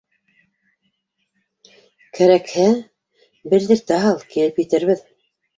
Кәрәкһә, белдертә һал, килеп етербеҙ